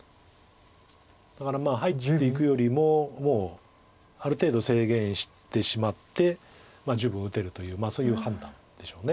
だから入っていくよりももうある程度制限してしまって十分打てるというそういう判断でしょう。